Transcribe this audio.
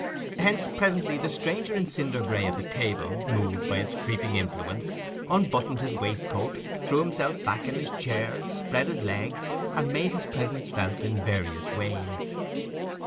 Hence, presently, the stranger in cinder gray at the table, moved by its creeping influence, unbuttoned his waistcoat, threw himself back in his chair, spread his legs, and made his presence felt in various ways.